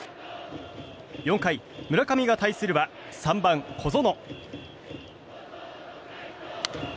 ４回、村上が対するは３番、小園。